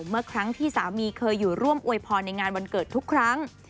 เมื่อครั้งที่สามีเคยอยู่ร่วมอวยพรในงานวันเกิดทุกครั้ง